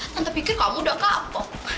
tante pikir kamu udah kapok